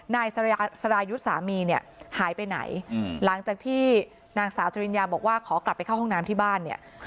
นายสรายุทธ์สามีเนี่ยหายไปไหนหลังจากที่นางสาวจริญญาบอกว่าขอกลับไปเข้าห้องน้ำที่บ้านเนี่ย